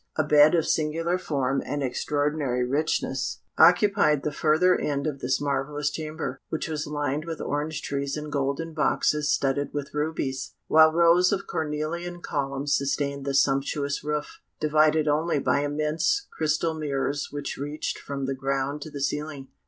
A bed of singular form and extraordinary richness, occupied the further end of this marvellous chamber, which was lined with orange trees in golden boxes studded with rubies, while rows of cornelian columns sustained the sumptuous roof, divided only by immense crystal mirrors which reached from the ground to the ceiling.